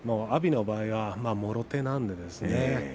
阿炎の場合は、もろ手なんですね